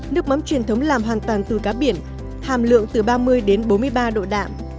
nước mắm truyền thống làm hoàn toàn từ cá biển hàm lượng từ ba mươi đến bốn mươi ba độ đạm